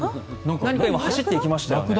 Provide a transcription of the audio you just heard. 何か今、走っていきましたね。